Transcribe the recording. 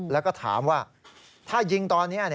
แล้วก็ถามว่าถ้ายิงตอนนี้